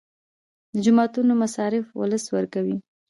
د جوماتونو مصارف ولس ورکوي